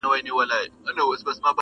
پر غزل مي دي جاګیر جوړ کړ ته نه وې٫